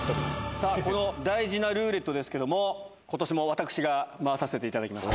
さあこの大事なルーレットですけれども、ことしも私が回させていただきます。